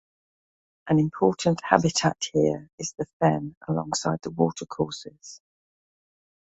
An important habitat here is the fen alongside the watercourses.